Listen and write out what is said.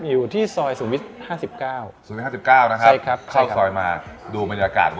อยู่ที่ซอยสุฤษห้าสิบข้าว